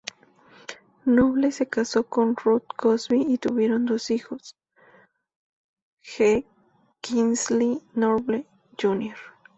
Noble se casó con Ruth Cosby; y, tuvieron dos hijos, G. Kingsley Noble, Jr.